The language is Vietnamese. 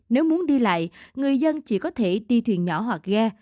nếu muốn đi lại người dân chỉ có thể đi thuyền nhỏ hoặc ghe